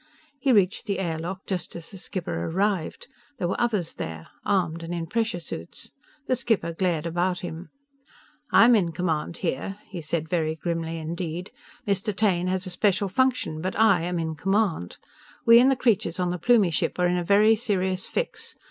He reached the air lock just as the skipper arrived. There were others there armed and in pressure suits. The skipper glared about him. "I am in command here," he said very grimly indeed. "Mr. Taine has a special function, but I am in command! We and the creatures on the Plumie ship are in a very serious fix.